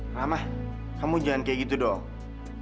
ramah kamu jangan kayak gitu dong